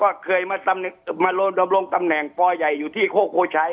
เคยมาดำรงตำแหน่งปใหญ่อยู่ที่โคชัย